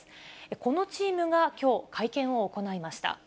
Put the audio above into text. このチームがきょう、会見を行いました。